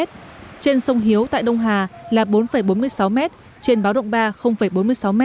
trên sông hiếu tại đông hà là bốn bốn mươi sáu m trên báo động ba bốn mươi sáu m